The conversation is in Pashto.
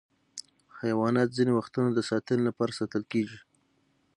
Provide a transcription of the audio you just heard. حیوانات ځینې وختونه د ساتنې لپاره ساتل کېږي.